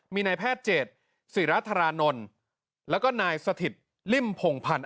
มีนายแพทย์เจตศิราธารานนท์แล้วก็นายสถิตริ่มพงพันธ์